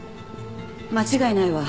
間違いないわ。